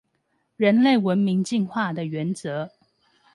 人類文明進化的原則